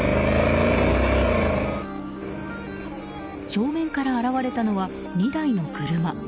正面から現れたのは２台の車。